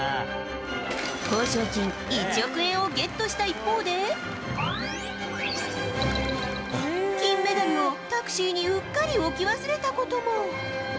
報奨金１億円をゲットした一方で金メダルをタクシーにうっかり置き忘れたことも。